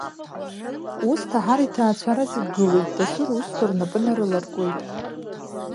Ус, Таҳар иҭаацәара зегь гылоит, дасу русқәа рнапы нарыларкуеит.